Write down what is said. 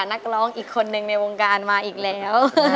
นักร้องอีกคนนึงในวงการมาอีกแล้ว